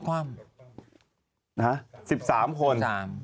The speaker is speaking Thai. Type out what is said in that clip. ฮะ๑๓คน